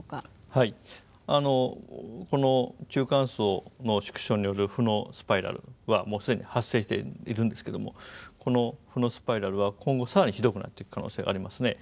はいあのこの中間層の縮小による負のスパイラルはもう既に発生しているんですけどもこの負のスパイラルは今後更にひどくなっていく可能性ありますね。